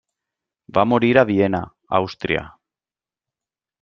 Va morir a Viena, Àustria.